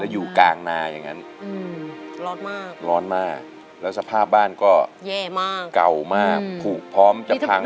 ร้อนมากแล้วสภาพบ้านก็เก่ามากพูพร้อมจะพัง